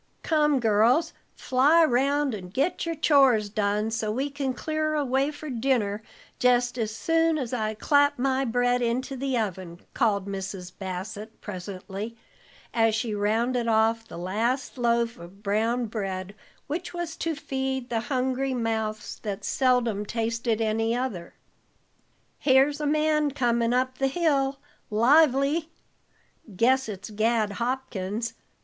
"Come, girls, fly 'round and get your chores done, so we can clear away for dinner jest as soon as I clap my bread into the oven," called Mrs. Bassett presently, as she rounded off the last loaf of brown bread which was to feed the hungry mouths that seldom tasted any other. "Here's a man comin' up the hill, lively!" "Guess it's Gad Hopkins.